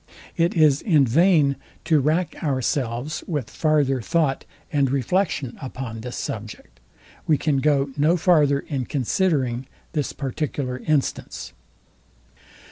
It is in vain to rack ourselves with farther thought and reflection upon this subject. We can go no farther in considering this particular instance.